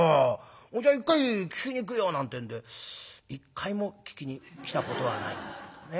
ほいじゃ一回聴きに行くよ」なんてんで一回も聴きに来たことはないんですけどもね。